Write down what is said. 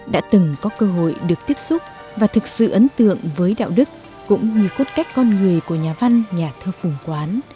đã từng có cơ hội được tiếp xúc và thực sự ấn tượng với đạo đức cũng như cốt cách con người của nhà văn nhà thơ phùng quán